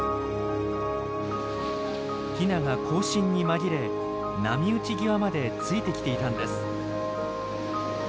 ヒナが行進に紛れ波打ち際までついて来ていたんです。